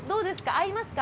合いますか？